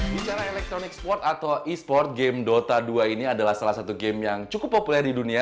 bicara electronic sport atau e sport game dota dua ini adalah salah satu game yang cukup populer di dunia